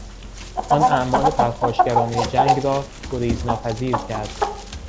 آن اعمال پرخاشگرانه جنگ را گریز ناپذیر کرد.